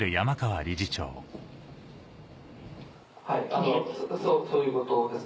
あのそういうことです。